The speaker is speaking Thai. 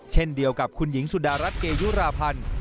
เช่นเดียวกับคุณหญิงสุดารัฐเกยุราพันธ์